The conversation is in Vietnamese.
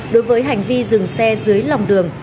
đối với hành vi dừng xe dưới lòng đường